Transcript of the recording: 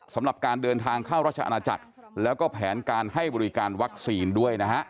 สำหรับการเดินทางเข้าราชอาณาจักรแล้วก็แผนการให้บริการวัคซีนด้วยนะฮะ